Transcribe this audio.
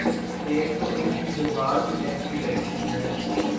ایک تو ان کی زبان ہی ایسی لگتی ہے۔